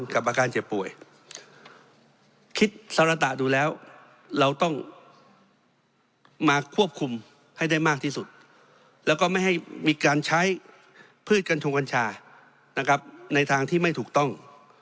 กับอาการเจ็บป่วยคิดสารตะดูแล้วเราต้องมาควบคุมให้ได้มากที่สุดแล้วก็ไม่ให้มีการใช้พืชกัญชงกัญชานะครับในทางที่ไม่ถูกต้อง